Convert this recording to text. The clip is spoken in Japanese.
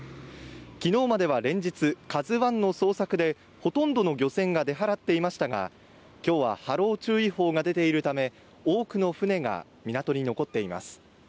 昨日までは連日「ＫＡＺＵ１」の捜索でほとんどの漁船が出払っていましたが今日は波浪注意報が出ているため多くの船が港に残っています